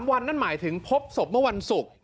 วันนั่นหมายถึงพบศพเมื่อวันศุกร์